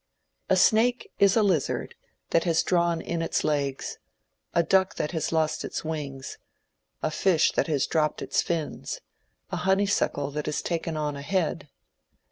A snake is a lizard that has drawn in its legs, a duck that has lost its wings, a fish that has dropped its fins, a honey suckle that has taken on a head.